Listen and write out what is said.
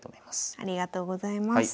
ありがとうございます。